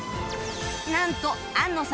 なんと安野さん